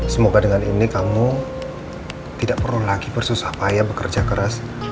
semoga dengan ini kamu tidak perlu lagi bersusah payah bekerja keras